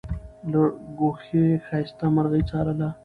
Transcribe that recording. له ګوښې یې ښایسته مرغۍ څارله